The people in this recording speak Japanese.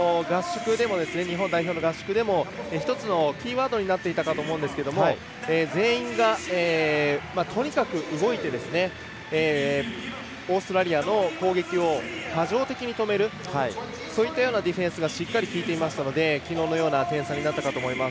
日本代表の合宿でも１つのキーワードになっていたかと思うんですけど全員がとにかく動いてオーストラリアの攻撃を波状的に止めるそういったようなディフェンスがしっかり、効いていましたのできのうのような点差になったかと思います。